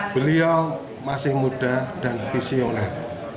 beliau masih muda dan visioner